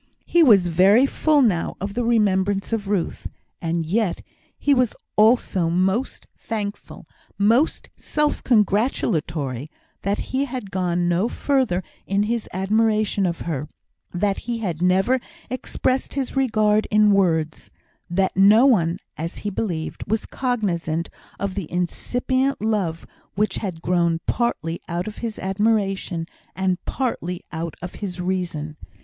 He was very full now of the remembrance of Ruth; and yet he was also most thankful, most self gratulatory, that he had gone no further in his admiration of her that he had never expressed his regard in words that no one, as he believed, was cognisant of the incipient love which had grown partly out of his admiration, and partly out of his reason.